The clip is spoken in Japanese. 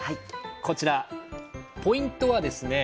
こちらポイントはですね